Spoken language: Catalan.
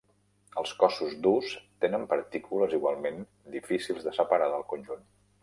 Els cossos durs tenen partícules igualment difícils de separar del conjunt.